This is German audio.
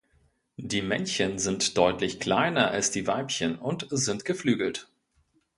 Die Männchen sind deutlich kleiner als die Weibchen und sind geflügelt.